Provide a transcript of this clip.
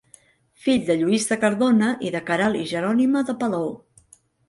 Fill de Lluís de Cardona i de Queralt i Jerònima de Palou.